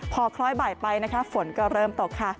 พอคล้อยบ่ายไปนะคะฝนก็เริ่มตกค่ะ